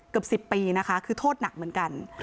เกือบ๑๐ปีนะคะคือโทษหนักเหมือนกัน